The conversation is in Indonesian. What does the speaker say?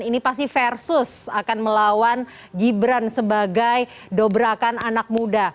ini pasti versus akan melawan gibran sebagai dobrakan anak muda